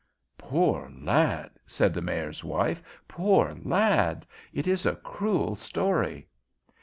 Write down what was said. "Poor lad!" said the Mayor's wife. "Poor lad! It is a cruel story."